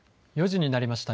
４時になりました。